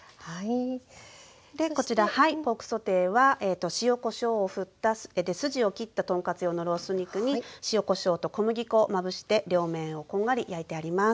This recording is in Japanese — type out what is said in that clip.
でこちらポークソテーは塩こしょうをふったで筋を切った豚カツ用のロース肉に塩こしょうと小麦粉をまぶして両面をこんがり焼いてあります。